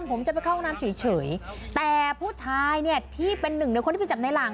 ผมจะไปเข้าห้องน้ำเฉยแต่ผู้ชายเนี่ยที่เป็นหนึ่งในคนที่ไปจับในหลัง